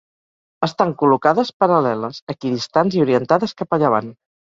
Estan col·locades paral·leles, equidistants i orientades cap a llevant.